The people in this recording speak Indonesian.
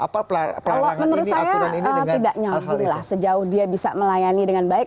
kalau menurut saya tidak nyambung lah sejauh dia bisa melayani dengan baik